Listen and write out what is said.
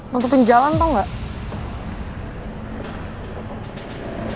nuntupin jalan tau gak